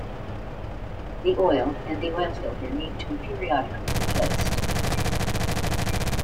The oil and the oil filter need to be periodically replaced.